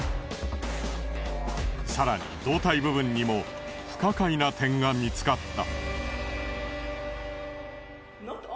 更に胴体部分にも不可解な点が見つかった。